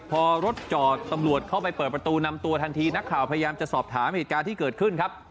พอรถจอดตำรวจเข้าไปเปิดประตูนำตัวทันทีนักข่าวพยายามจะสอบถามเหตุการณ์ที่เกิดขึ้นครับ